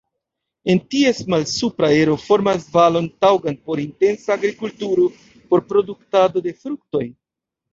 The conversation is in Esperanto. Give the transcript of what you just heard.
En ties malsupra ero formas valon taŭgan por intensa agrikulturo por produktado de fruktoj.